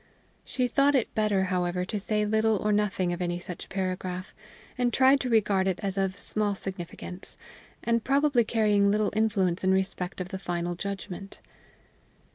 She thought it better, however, to say little or nothing of any such paragraph, and tried to regard it as of small significance, and probably carrying little influence in respect of the final judgment.